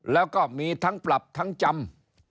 แล้วก็มีทั้งปรับทั้งจำ